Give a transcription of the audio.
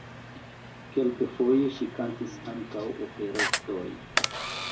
Kelkfoje ŝi kantis ankaŭ operetojn.